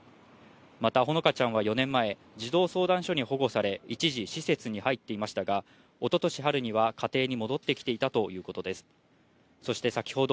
また、ほのかちゃんは４年前、児童相談所に保護され、一時、施設に入っていましたが、おととし春には家庭に戻ってきていたということです。